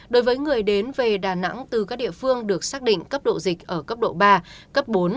đối với người đến về đà nẵng từ các địa phương được xác định cấp độ dịch ở cấp độ ba cấp bốn